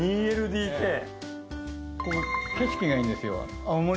ここ景色がいいんですよ。